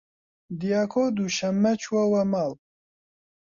دیاکۆ دووشەممە چووەوە ماڵ.